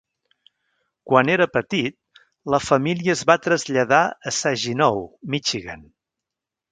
Quan era petit, la família es va traslladar a Saginaw, Michigan.